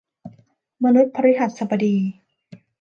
มนุษย์พฤหัสบดี